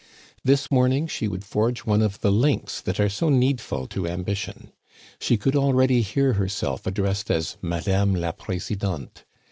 This morning she would forge one of the links that are so needful to ambition. She could already hear herself addressed as Madame la Presidente.